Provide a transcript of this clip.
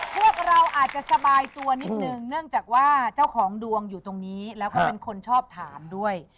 พวกเราอาจจะสบายตัวนิดนึงเนื่องจากว่าเจ้าของดวงอยู่ตรงนี้แล้วก็เป็นคนชอบถามด้วย